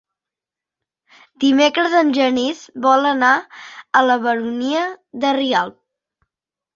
Dimecres en Genís vol anar a la Baronia de Rialb.